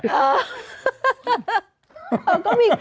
๖๒๐๐ตอนนี้